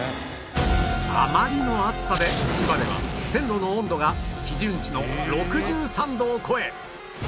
あまりの暑さで千葉では線路の温度が基準値の６３度を超え